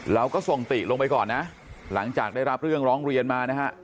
เราก็ส่งติลงไปก่อนนะหลังจากได้รับเรื่องร้องเรียนมานะฮะ